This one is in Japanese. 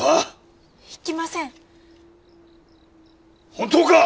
本当か？